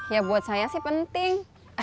ya buat saya sih penting